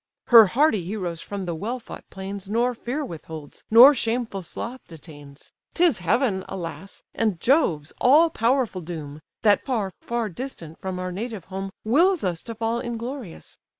Her hardy heroes from the well fought plains Nor fear withholds, nor shameful sloth detains: 'Tis heaven, alas! and Jove's all powerful doom, That far, far distant from our native home Wills us to fall inglorious!